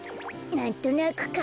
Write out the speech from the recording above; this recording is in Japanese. なんとなくか。